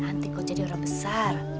nanti kok jadi orang besar